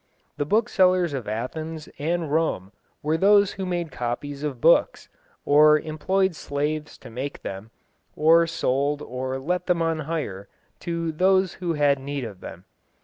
The booksellers of Athens and Rome were those who made copies of books, or employed slaves to make them, and sold or let them on hire to those who had need of them.